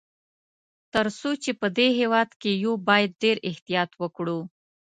تر څو چي په دې هیواد کي یو، باید ډېر احتیاط وکړو.